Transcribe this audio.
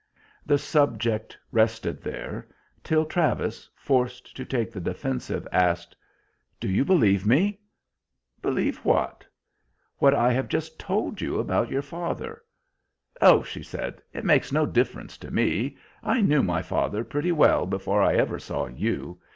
The subject rested there, till Travis, forced to take the defensive, asked: "Do you believe me?" "Believe what?" "What I have just told you about your father?" "Oh," she said, "it makes no difference to me. I knew my father pretty well before I ever saw you.